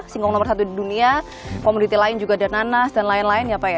singgung nomor satu di dunia komoditi lain juga ada nanas dan lain lain ya pak ya